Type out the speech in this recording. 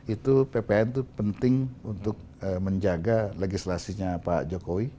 itu ppn itu penting untuk menjaga legislasinya pak jokowi